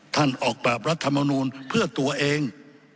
ออกแบบรัฐมนูลเพื่อตัวเอง